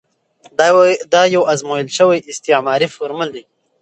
دا یو ازمویل شوی استعماري فورمول دی.